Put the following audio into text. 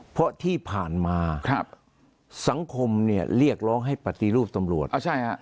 เพราะที่ผ่านมาสังคมเนี่ยเรียกร้องให้ปฏิรูปตำรวจ